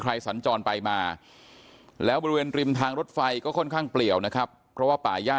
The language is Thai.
สัญจรไปมาแล้วบริเวณริมทางรถไฟก็ค่อนข้างเปลี่ยวนะครับเพราะว่าป่าย่า